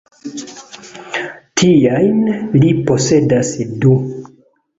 Tiajn li posedas du.